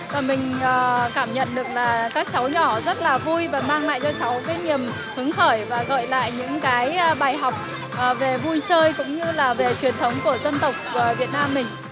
và mình cảm nhận được là các cháu nhỏ rất là vui và mang lại cho cháu cái niềm hứng khởi và gợi lại những cái bài học về vui chơi cũng như là về truyền thống của dân tộc việt nam mình